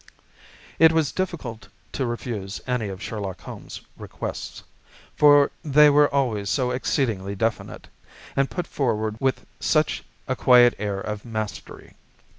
It was difficult to refuse any of Sherlock Holmes' requests, for they were always so exceedingly definite, and put forward with such a quiet air of mastery.